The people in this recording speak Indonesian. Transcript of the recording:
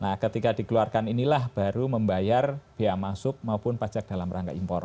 nah ketika dikeluarkan inilah baru membayar biaya masuk maupun pajak dalam rangka impor